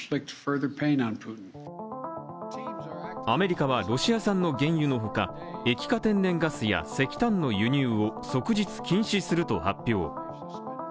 アメリカはロシア産の原油のほか液化天然ガスや石炭の輸入を即日禁止すると発表。